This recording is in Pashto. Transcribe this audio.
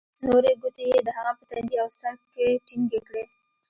نورې گوتې يې د هغه په تندي او سر کښې ټينگې کړې.